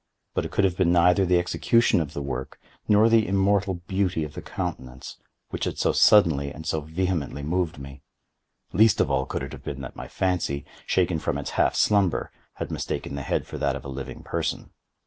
But it could have been neither the execution of the work, nor the immortal beauty of the countenance, which had so suddenly and so vehemently moved me. Least of all, could it have been that my fancy, shaken from its half slumber, had mistaken the head for that of a living person.